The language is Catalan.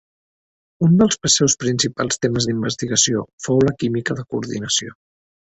Un dels seus principals temes d'investigació fou la química de coordinació.